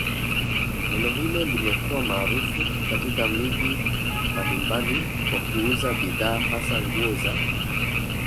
neno hilo limekuwa maarufu katika miji mbalimbali kwa kuuza bidhaa hasa nguo za